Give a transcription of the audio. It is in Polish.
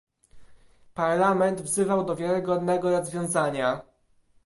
Parlament wzywał do wiarygodnego rozwiązania